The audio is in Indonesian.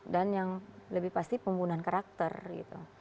dan yang lebih pasti pembunuhan karakter gitu